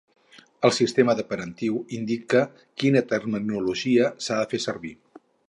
El sistema de parentiu indica quina terminologia s'ha de fer servir.